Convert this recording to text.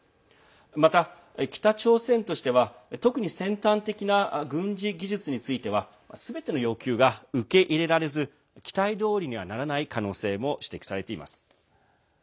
また北朝鮮としては特に先端的な軍事技術についてはすべての要求が受け入れられず期待どおりにはならない可能性も指摘されています。